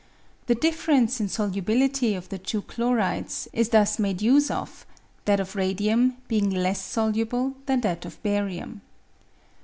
The difference in solubilitj' of the two chlorides is thus made use of, that of radium being less soluble than that of barium.